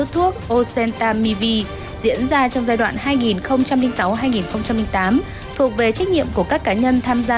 thuốc ocentam miv diễn ra trong giai đoạn hai nghìn sáu hai nghìn tám thuộc về trách nhiệm của các cá nhân tham gia